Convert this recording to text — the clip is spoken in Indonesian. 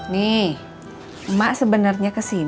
nih mak sebenarnya kesini